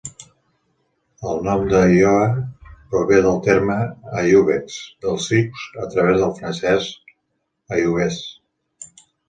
El nom de Iaowa prové del terme "ayuxbe" del sioux a través del francès "aiouez".